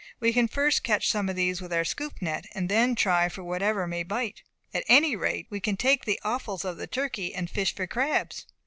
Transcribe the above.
We can first catch some of these with our scoop net, and then try for whatever may bite. At any rate we can take the offals of the turkey, and fish for crabs."